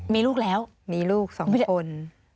มีลูกแล้วมีลูก๒คน